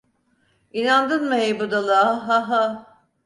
İnandın mı hey budala hah hah ha…